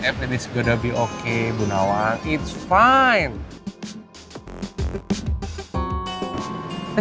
ya itu akan baik baik saja bu nawang tidak apa apa